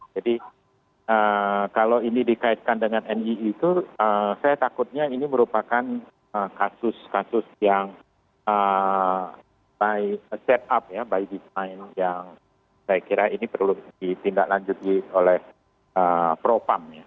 jadi kalau ini dikaitkan dengan nii itu saya takutnya ini merupakan kasus kasus yang set up by design yang saya kira ini perlu ditindaklanjuti oleh propam